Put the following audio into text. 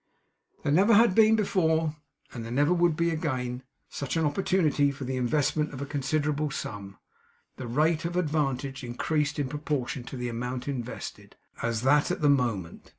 There never had been before, and there never would be again, such an opportunity for the investment of a considerable sum (the rate of advantage increased in proportion to the amount invested), as at that moment.